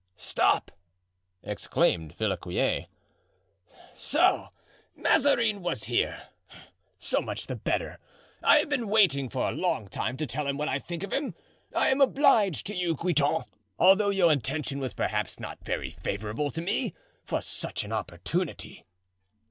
"Stop," exclaimed Villequier, "so Mazarin was here! so much the better. I have been waiting for a long time to tell him what I think of him. I am obliged to you Guitant, although your intention was perhaps not very favorable to me, for such an opportunity."